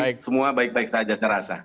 jadi semua baik baik saja terasa